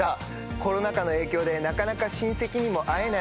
コロナ禍の影響でなかなか親戚にも会えない